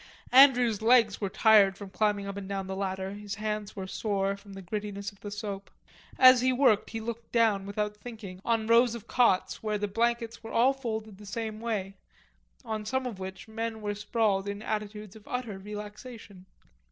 Andrews's legs were tired from climbing up and down the ladder, his hands were sore from the grittiness of the soap; as he worked he looked down, without thinking, on rows of cots where the blankets were all folded the same way, on some of which men were sprawled in attitudes of utter relaxation.